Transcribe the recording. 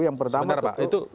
sebenarnya pak itu